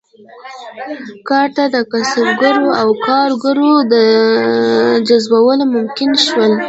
کار ته د کسبګرو او کارګرو جذبول ممکن شول.